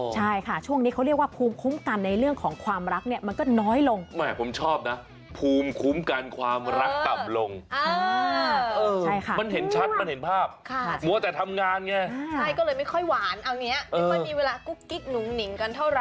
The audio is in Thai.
ใช่ค่ะช่วงนี้เขาเรียกว่าภูมิคุ้มกันในเรื่องของความรักเนี่ยมันก็น้อยลง